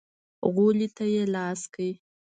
غولي ته يې لاس کړ.